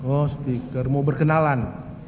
oh stiker mau berkenalan